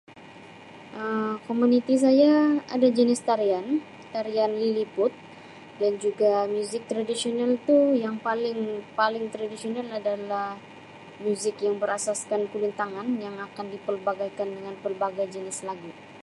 Um Komuniti saya ada jenis tarian tarian liliput dan juga muzik tradisional tu yang paling paling tradisional adalah muzik yang berasaskan kulintangan yang akan dipelbagai kan dengan pelbagai jenis lagu.